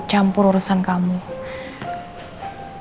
bukannya aku sama angga itu mau ikut